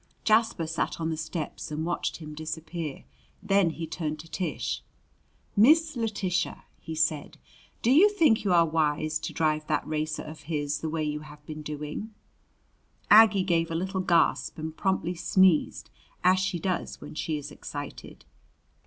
Jasper sat on the steps and watched him disappear. Then he turned to Tish. "Miss Letitia," he said, "do you think you are wise to drive that racer of his the way you have been doing?" Aggie gave a little gasp and promptly sneezed, as she does when she is excited.